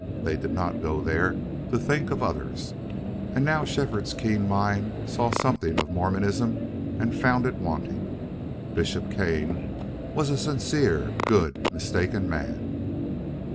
They did not go there to think of others. And now Shefford's keen mind saw something of Mormonism and found it wanting. Bishop Kane was a sincere, good, mistaken man.